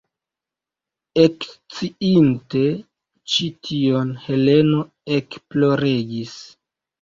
Eksciinte ĉi tion, Heleno ekploregis.